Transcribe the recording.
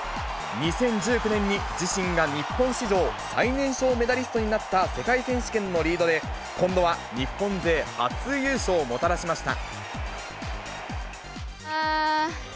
２０１９年に自身が日本史上最年少メダリストになった世界選手権のリードで、今度は日本勢初優勝をもたらしました。